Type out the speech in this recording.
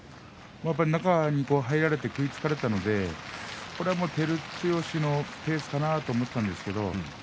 中に入られて食いつかれたので照強のペースかなと思ったんですけど